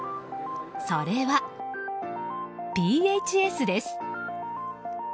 それはＰＨＳです。